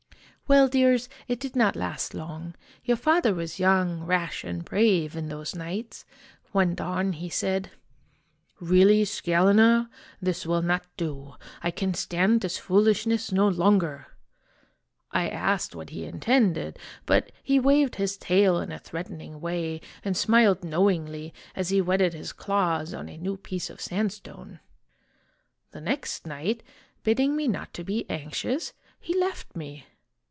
"Well, dears, it did not last long. Your father was young, rash, and brave, in those nights. One dawn he said, ' Really, Scalena, this will not do. I can stand this foolishness no longer ! I asked what o he intended, but he waved his tail in a threatening way, and smiled knowingly as he whetted his claws on a new piece of sandstone. The next nio ht, bidding me not to be anxious, he left <_> O me.